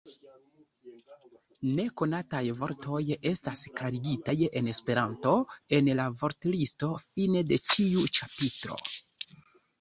Nekonataj vortoj estas klarigitaj en Esperanto en la vortlisto fine de ĉiu ĉapitro.